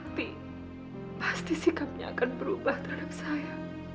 tapi pasti sikapnya akan berubah terhadap saya